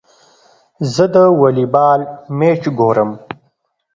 زه د والي بال مېچ ګورم.